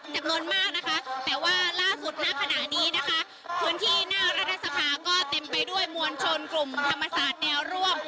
จำนวนมากนะคะแต่ว่าล่าสุดณขณะนี้นะคะพื้นที่หน้ารัฐสภาก็เต็มไปด้วยมวลชนกลุ่มธรรมศาสตร์แนวร่วม